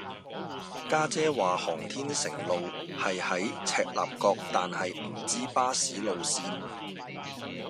家姐話航天城路係喺赤鱲角但係唔知巴士路線